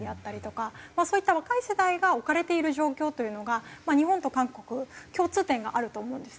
そういった若い世代が置かれている状況というのが日本と韓国共通点があると思うんですね。